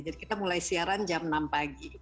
jadi kita mulai siaran jam enam pagi